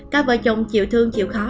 các vợ chồng chịu thương chịu khó